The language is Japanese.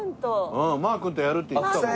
うんマー君とやるって言ってたもん。